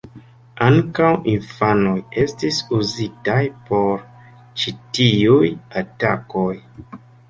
Ankaŭ infanoj estis uzitaj por ĉi tiuj atakoj.